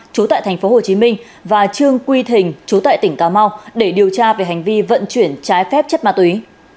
chú tại tp hcm và trương quy thình chú tại tỉnh cà mau để điều tra về hành vi vận chuyển trái phép chất ma túy